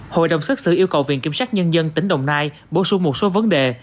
hội đồng xét xử yêu cầu viện kiểm sát nhân dân tỉnh đồng nai bổ sung một số vấn đề